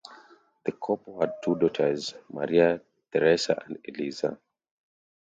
The couple had two daughters, Maria Theresa and Eliza.